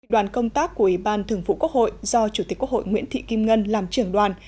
đoàn công tác của ủy ban thường vụ quốc hội do chủ tịch quốc hội nguyễn thị kim ngân làm trưởng đoàn